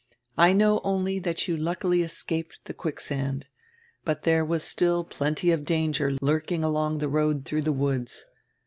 I know only that you luckily escaped tire quicksand. But there was still plenty of danger lurking along tire road through tire woods.